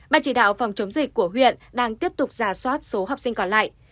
ban chỉ đạo phòng chống dịch của huyện đang tiếp tục giả soát số học sinh còn lại